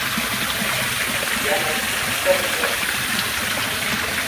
Yanep cereng wost?